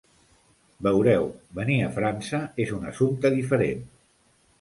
Veureu, venir a França és un assumpte diferent.